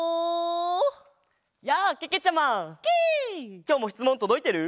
きょうもしつもんとどいてる？